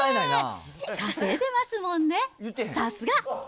稼いでますもんね、さすが。